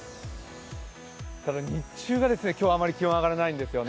ただ、日中が今日、あまり気温が上がらないんですね。